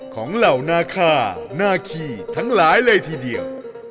เหล่านาคานาคีทั้งหลายเลยทีเดียว